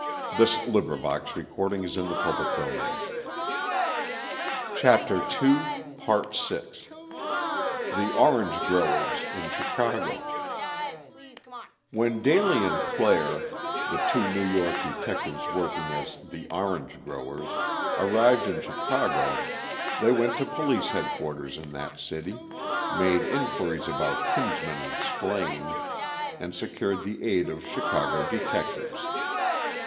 He alone went to trial, and stuck to his story until the end. The "Orange Growers" in Chicago When Daly and Clare, the two New York detectives working as the "Orange Growers," arrived in Chicago, they went to Police Headquarters in that city, made inquiries about Kinsman and Splaine, and secured the aid of Chicago detectives.